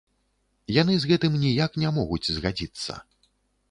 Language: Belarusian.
Яны з гэтым ніяк не могуць згадзіцца.